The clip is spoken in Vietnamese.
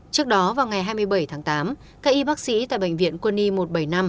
trước đó vào ngày hai mươi bảy tháng tám các y bác sĩ tại bệnh viện quân y một trăm bảy mươi năm